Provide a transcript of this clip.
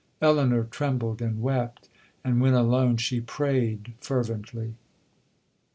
Elinor trembled and wept,—and when alone she prayed fervently.